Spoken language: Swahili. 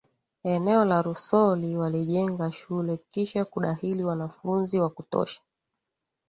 eneo la Rusoli walijenga shule kisha kudahili wanafunzi wa kutosha